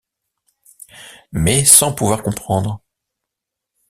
mais sans pouvoir comprendre.